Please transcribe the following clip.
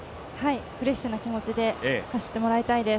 フレッシュな気持ちで走ってもらいたいです。